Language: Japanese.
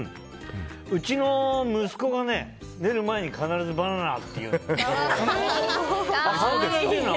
うちの息子が寝る前に必ずバナナ！って言うの。